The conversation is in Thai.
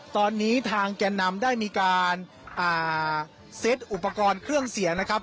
ตอนนี้ทางแก่นำได้มีการเซ็ตอุปกรณ์เครื่องเสียงนะครับ